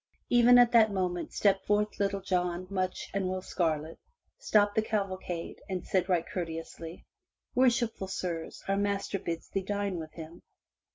'' Even at that moment, stepped forth Little John, Much, and Will Scarlet, stopped the cavalcade, and said right courteously: *' Worshipful sirs, our master bids thee dine with him."